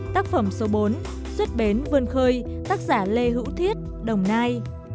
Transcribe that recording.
tác phẩm số bốn xuất bến vươn khơi tác giả lê hữu thiết đồng nai